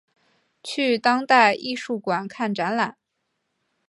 去当代艺术馆看展览